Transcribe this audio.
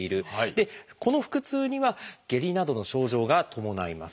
この腹痛には下痢などの症状が伴います。